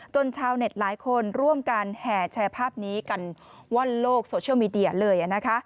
ชาวเน็ตหลายคนร่วมกันแห่แชร์ภาพนี้กันว่อนโลกโซเชียลมีเดียเลย